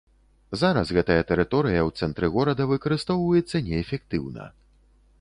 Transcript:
Зараз гэтая тэрыторыя ў цэнтры горада выкарыстоўваецца неэфектыўна.